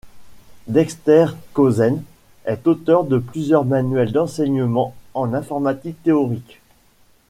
Dexter Kozen est auteur de plusieurs manuels d'enseignement en informatique théorique.